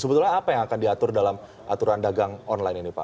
sebetulnya apa yang akan diatur dalam aturan dagang online ini pak